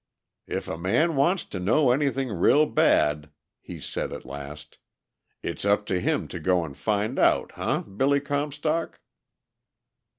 "If a man wants to know anything real bad," he said at last, "it's up to him to go and find out, huh, Billy Comstock?"